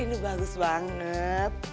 ini bagus banget